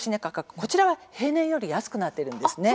こちらは平年より安くなっているんです。